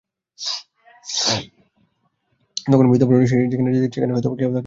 তখন বুঝিতে পারিল, সে যেখানে যাইতেছে, সেখানে কেহ তাহাকে মার্জনা করিবে না।